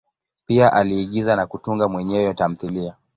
Pia aliigiza na kutunga mwenyewe tamthilia.